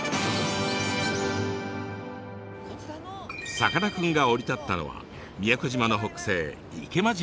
さかなクンが降り立ったのは宮古島の北西池間島。